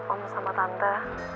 om sama tante